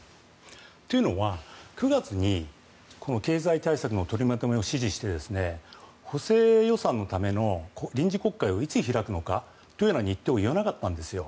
というのは、９月に経済対策の取りまとめを指示して補正予算のための臨時国会をいつ開くのかというような日程を言わなかったんですよ。